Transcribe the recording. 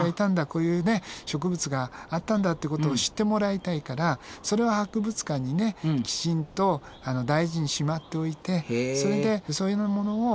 こういうね植物があったんだってことを知ってもらいたいからそれを博物館にねきちんと大事にしまっておいてそれでそういうようなものを展示